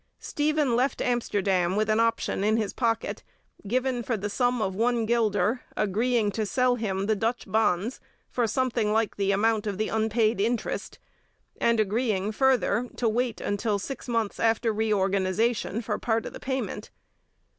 Stephen left Amsterdam with an option in his pocket, given for the sum of one guilder, agreeing to sell him the Dutch bonds for something like the amount of the unpaid interest, and agreeing, further, to wait until six months after reorganization for part of the payment.